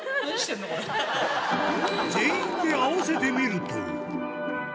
全員で合わせてみると。